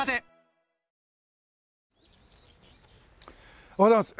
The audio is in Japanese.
おはようございます。